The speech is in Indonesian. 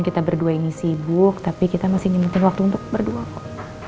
kita berdua ini sibuk tapi kita masih ingetin waktu untuk berdua kok